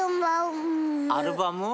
アルバム？